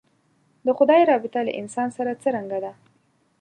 د خدای رابطه له انسان سره څرنګه ده.